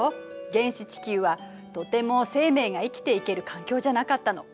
原始地球はとても生命が生きていける環境じゃなかったの。